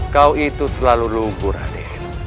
kau itu terlalu lugu raden